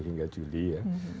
hingga juli ya